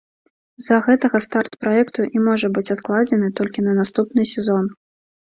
З-за гэтага старт праекту і можа быць адкладзены толькі на наступны сезон.